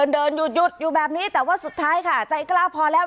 เดินหยุดอยู่แบบนี้แต่ว่าสุดท้ายค่ะใจกล้าพอแล้ว